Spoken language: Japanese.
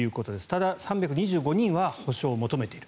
ただ、３２５人は補償を求めている。